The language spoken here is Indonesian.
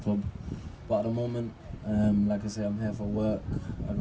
tapi saat ini seperti yang saya katakan saya sedang bekerja